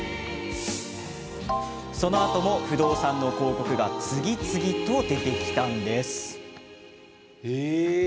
そのあとも不動産の広告が次々と出てきたのです。